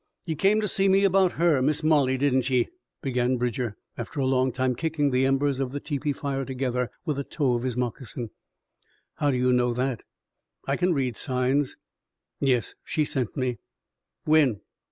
"Ye came to see me about her, Miss Molly, didn't ye?" began Bridger after a long time, kicking the embers of the tepee fire together with the toe of his moccasin. "How do you know that?" "I kin read signs." "Yes, she sent me." "When?"